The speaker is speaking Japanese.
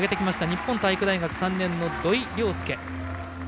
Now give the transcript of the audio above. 日本体育大学３年の土井陵輔。